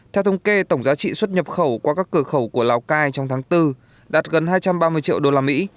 theo thông kê tổng giá trị xuất nhập khẩu qua các cửa khẩu của lào cai trong tháng bốn đạt gần hai trăm ba mươi triệu đô la mỹ